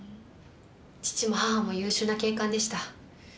父も母も優秀な警官でした。